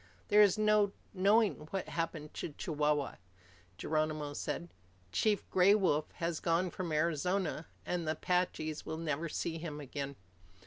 "There is no knowing what happened to Chihuahua," Geronimo said. "Chief Gray Wolf has gone from Arizona, and the Apaches will never see him again."